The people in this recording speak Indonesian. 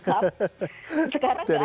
sekarang nggak ada gitu